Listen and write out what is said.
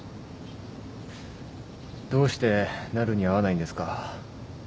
どうしてなるに会わないんですか？